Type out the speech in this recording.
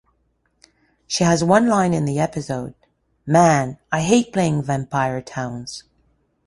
She has one line in the episode: Man, I hate playing vampire towns.